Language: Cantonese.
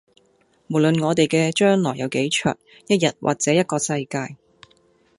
無論我哋嘅將來有幾長，一日或者一個世界